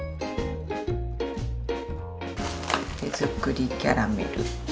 「手づくりキャラメル」。